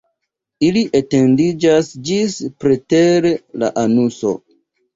Ili etendiĝas ĝis preter la anuso.